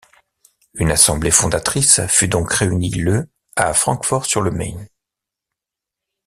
Une assemblée fondatrice fut donc réunie le à Francfort-sur-le-Main.